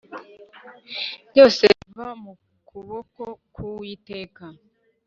byose biva mu kuboko k’Uwiteka